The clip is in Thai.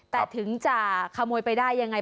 แต่ถึงจะขโมยไปได้ยังไง